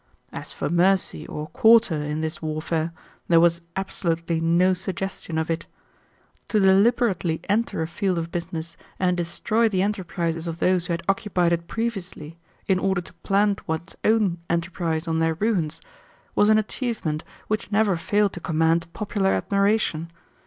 As for mercy or quarter in this warfare, there was absolutely no suggestion of it. To deliberately enter a field of business and destroy the enterprises of those who had occupied it previously, in order to plant one's own enterprise on their ruins, was an achievement which never failed to command popular admiration.